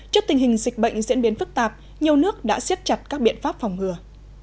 trước tình hình dịch bệnh diễn biến phức tạp nhiều nước đã xiết chặt các biện pháp phòng ngừa